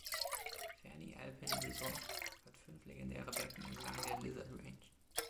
Fernie Alpine Resort hat fünf legendäre Becken entlang der Lizard Range.